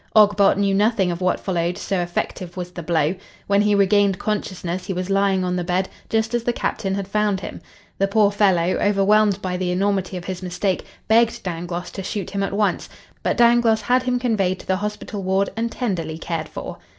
Ogbot knew nothing of what followed, so effective was the blow. When he regained consciousness he was lying on the bed, just as the Captain had found him. The poor fellow, overwhelmed by the enormity of his mistake, begged Dangloss to shoot him at once. But Dangloss had him conveyed to the hospital ward and tenderly cared for.